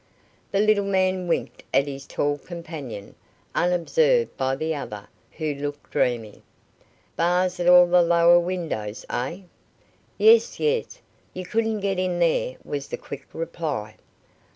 The little man winked at his tall companion, unobserved by the other, who looked dreamy. "Bars at all the lower windows, eh?" "Yes, yes. You couldn't get in there," was the quick reply.